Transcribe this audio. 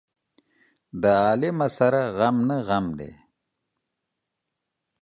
د عالمه سره غم نه غم دى.